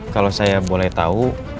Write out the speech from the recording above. kalau saya boleh tau